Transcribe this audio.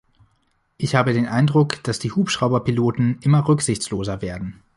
Ich habe den Eindruck, dass die Hubschrauberpiloten immer rücksichtsloser werden.